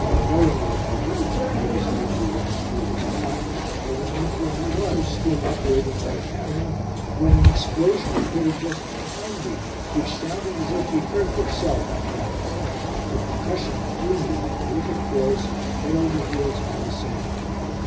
Knowing that if I moved I might as likely run into it as not, I remained where I was, still operating my camera, when an explosion occurred just behind me, which sounded as if the earth itself had cracked. The concussion threw me with terrific force head over heels into the sand.